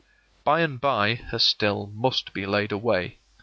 By and by her still must be laid away.